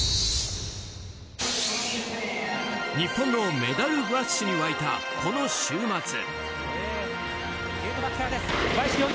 日本のメダルラッシュに沸いたこの週末。